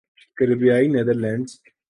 کریبیائی Netherlands